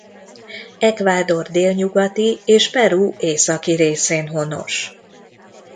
Ecuador délnyugati és Peru északi részén honos.